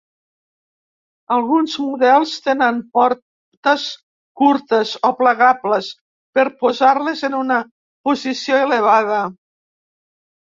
Alguns models tenen potes curtes o plegables per posar-les en una posició elevada.